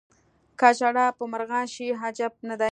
که ژړا پر مرغان شي عجب نه دی.